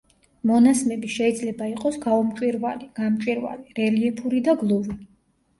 მონასმები შეიძლება იყოს გაუმჭვირვალი, გამჭვირვალე, რელიეფური და გლუვი.